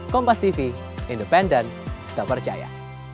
kompas tv independen dan percaya